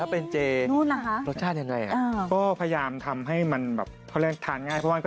อ่ะเห็นแบบนี้แล้วหลายคนก็แบบโอ๊ยไม่วางเลยเหรอคะ